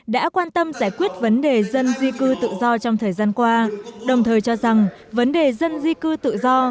đã quan tâm giải quyết vấn đề dân di cư tự do trong thời gian qua đồng thời cho rằng vấn đề dân di cư tự do